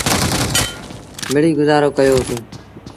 مڙيٚئيٚ گزآرو ڪيو سيٚݩ۔